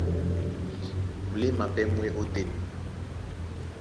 Muléma pɛ́ mú e ótên.